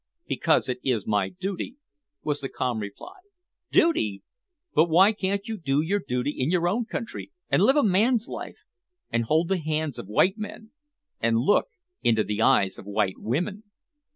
"Because it is my duty," was the calm reply. "Duty! But why can't you do your duty in your own country, and live a man's life, and hold the hands of white men, and look into the eyes of white women?"